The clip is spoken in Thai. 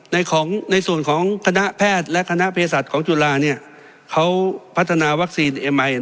ในของในส่วนของคณะแพทย์และคณะเภสัตริย์ของจุฬาเนี้ยเขาพัฒนาวัคซีน